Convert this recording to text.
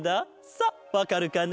さあわかるかな？